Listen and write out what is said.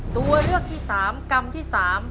ตัวเลือกที่๓กำที่๓